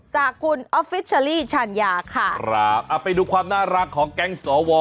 จากคุณออฟฟิศเชอรี่ชัญญาค่ะครับเอาไปดูความน่ารักของแก๊งสว